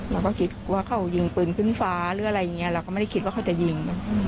เราก็คิดว่าเขายิงปืนขึ้นฟ้าหรืออะไรอย่างนี้เราก็ไม่ได้คิดว่าเขาจะยิง